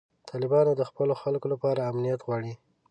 طالبان د خپلو خلکو لپاره امنیت غواړي.